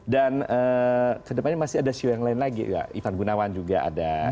dan ke depannya masih ada show yang lain lagi ya ivan gunawan juga ada